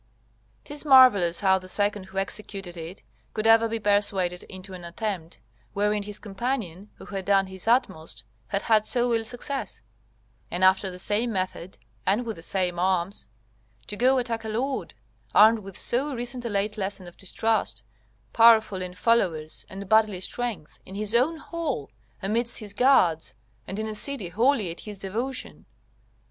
] 'Tis marvellous how the second who executed it, could ever be persuaded into an attempt, wherein his companion, who had done his utmost, had had so ill success; and after the same method, and with the same arms, to go attack a lord, armed with so recent a late lesson of distrust, powerful in followers and bodily strength, in his own hall, amidst his guards, and in a city wholly at his devotion.